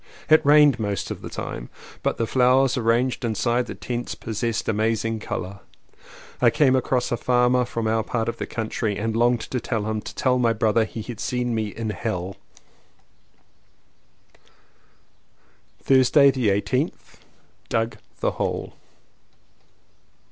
It rained most of the time, but the flowers arranged inside the tents possessed amazing colour. I came across a farmer from our part of the country and longed to tell him to tell my brother that he had seen me in Helll Thursday the 18th. Dug the hole.